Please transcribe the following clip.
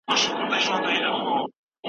زه د وطن په خاوره مړ خوشحاله یمه